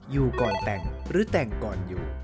อยู่ก่อนแต่งหรือแต่งก่อนอยู่